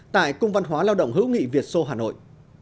tại cung văn hóa lao động hữu nghị việt sô hà nội